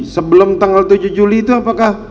sebelum tanggal tujuh juli itu apakah